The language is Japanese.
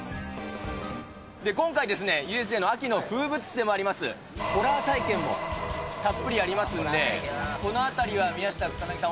今回ですね、ＵＳＪの秋の風物詩でもあります、ホラー体験をたっぷりやりますんで、このあたりは宮下草薙さん